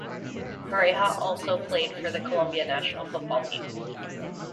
Pareja also played for the Colombia national football team.